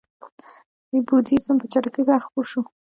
بودیزم په چټکۍ سره خپور شو.